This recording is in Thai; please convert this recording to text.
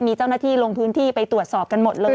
มีเจ้าหน้าที่ลงพื้นที่ไปตรวจสอบกันหมดเลย